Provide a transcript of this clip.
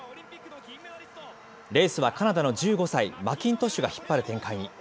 レースはカナダの１５歳、マキントシュが引っ張る展開に。